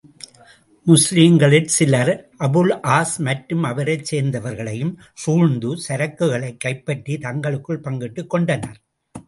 அப்பொழுது முஸ்லிம்களில் சிலர், அபுல் ஆஸ் மற்றும் அவரைச் சேர்ந்தவர்களையும் சூழ்ந்து, சரக்குகளைக் கைப்பற்றி, தங்களுக்குள் பங்கிட்டுக் கொண்டனர்.